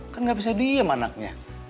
kan gak bisa diem anaknya